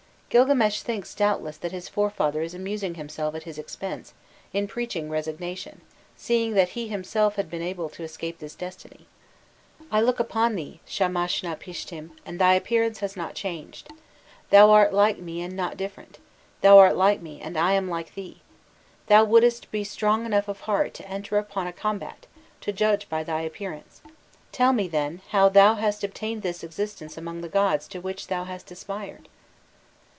Gilgames thinks, doubtless, that his forefather is amusing himself at his expense in preaching resignation, seeing that he himself had been able to escape this destiny. "I look upon thee, Shamashnapishtim, and thy appearance has not changed: thou art like me and not different, thou art like me and I am like thee. Thou wouldest be strong enough of heart to enter upon a combat, to judge by thy appearance; tell me, then, how thou hast obtained this existence among the gods to which thou hast aspired?"